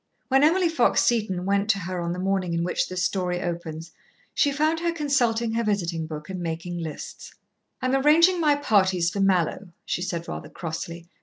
When Emily Fox Seton went to her on the morning in which this story opens, she found her consulting her visiting book and making lists. "I'm arranging my parties for Mallowe," she said rather crossly.